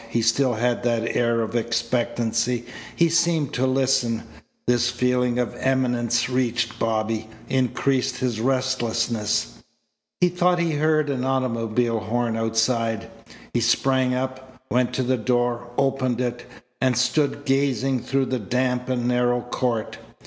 He still had that air of expectancy. He seemed to listen. This feeling of imminence reached Bobby; increased his restlessness. He thought he heard an automobile horn outside. He sprang up, went to the door, opened it, and stood gazing through the damp and narrow court.